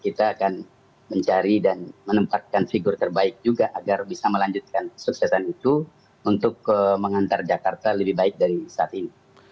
kita akan mencari dan menempatkan figur terbaik juga agar bisa melanjutkan kesuksesan itu untuk mengantar jakarta lebih baik dari saat ini